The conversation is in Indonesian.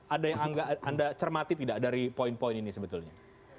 ada yang anda cermati tidak dari poin poin ini sebetulnya